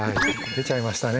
出ちゃいましたね！